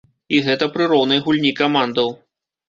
І гэта пры роўнай гульні камандаў.